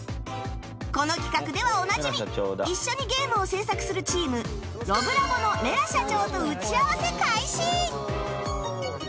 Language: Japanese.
この企画ではおなじみ一緒にゲームを制作するチームロブラボのメラ社長と打ち合わせ開始